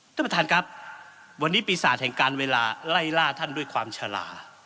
ท่านประธานครับวันนี้ปีศาจแห่งการเวลาไล่ล่าท่านด้วยความฉลา